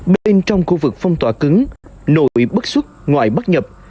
bên trong khu vực phong tỏa cứng nội bất xuất ngoại bắt nhập